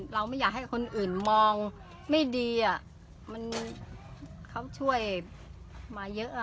เราไม่อยากให้คนอื่นมองไม่ดีอ่ะมันเขาช่วยมาเยอะ